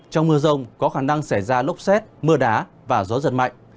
trong mưa rông có khả năng xảy ra lốc xét mưa đá và gió giật mạnh